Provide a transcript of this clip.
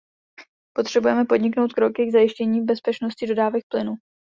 Potřebujeme podniknout kroky k zajištění bezpečnosti dodávek plynu.